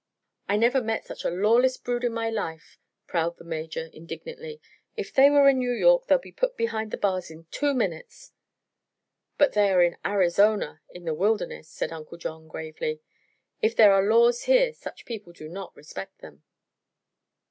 "I never met such a lawless brood in my life," prowled the Major, indignantly. "If they were in New York they'd be put behind the bars in two minutes." "But they are in Arizona in the wilderness," said Uncle John gravely. "If there are laws here such people do not respect them."